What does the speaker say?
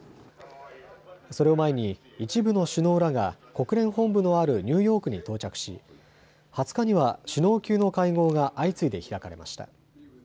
それを前に一部の首脳らが国連本部のあるニューヨークに到着し、２０日には首脳級の会合が相次いで開かれました。